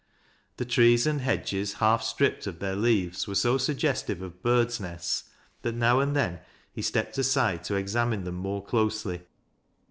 The trees and hedges, half stripped of their leaves, were so suggestive of birds' nests, that now and then he stepped aside to exam ine them more closely.